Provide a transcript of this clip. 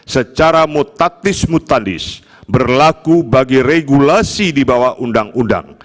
secara mutaktis mutandis berlaku bagi regulasi di bawah undang undang